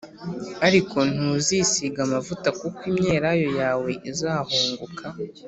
ariko ntuzisiga amavuta kuko imyelayo yawe izahunguka.